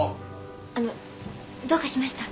あのどうかしました？